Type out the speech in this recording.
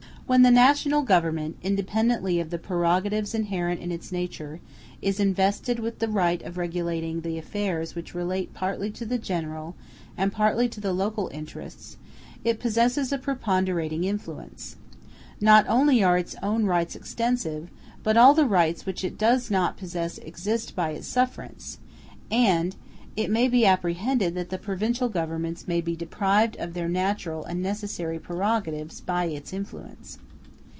When the national Government, independently of the prerogatives inherent in its nature, is invested with the right of regulating the affairs which relate partly to the general and partly to the local interests, it possesses a preponderating influence. Not only are its own rights extensive, but all the rights which it does not possess exist by its sufferance, and it may be apprehended that the provincial governments may be deprived of their natural and necessary prerogatives by its influence.